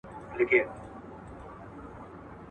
د بادار کور !.